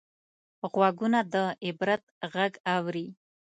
غوږونه د عبرت غږ اوري